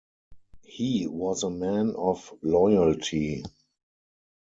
He was a man of loyalty.